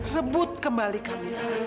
rebut kembali kamila